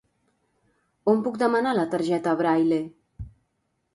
On puc demanar la targeta Braille?